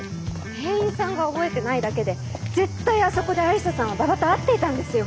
店員さんが覚えてないだけで絶対あそこで愛理沙さんは馬場と会っていたんですよ！